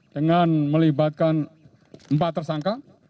dengan melibatkan ya tkp di magelang